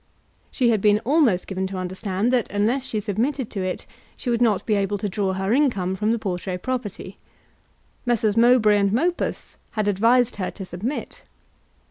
She had been almost given to understand that unless she submitted to it, she would not be able to draw her income from the Portray property. Messrs. Mowbray and Mopus had advised her to submit.